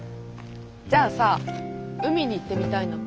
じゃあさ海に行ってみたいな。